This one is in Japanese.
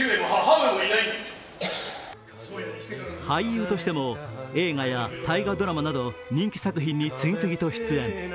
俳優としても映画や大河ドラマなど人気作品に次々と出演。